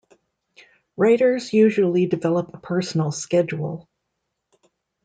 Writers usually develop a personal schedule.